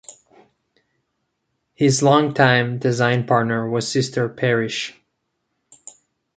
His long-time design partner was Sister Parish.